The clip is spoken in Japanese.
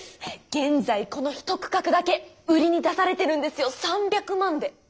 現在この一区画だけ売りに出されてるんですよ３００万で。